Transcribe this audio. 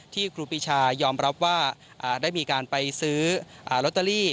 ครูปีชายอมรับว่าได้มีการไปซื้อลอตเตอรี่